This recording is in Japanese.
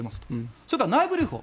それから内部留保。